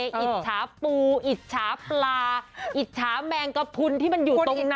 อิจฉาปูอิจฉาปลาอิจฉาแมงกระพุนที่มันอยู่ตรงนั้น